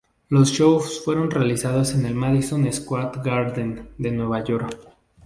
Los shows fueron realizados en el Madison Square Garden de Nueva York.